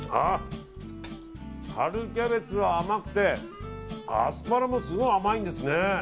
春キャベツが甘くてアスパラもすごい甘いんですね。